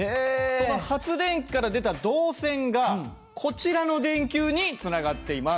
その発電機から出た導線がこちらの電球につながっています。